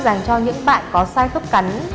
dành cho những bạn có sai khớp cắn